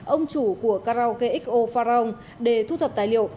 ông chủ của karaoke xo pharong để thu thập tài liệu